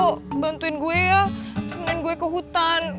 lo bantuin gue ya temenin gue ke hutan